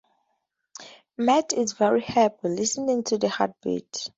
Matt is very happy listening to the heartbeat.